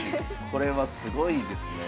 これはすごいですね。